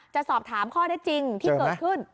จะสอบถามข้อได้จริงที่เกิดขึ้น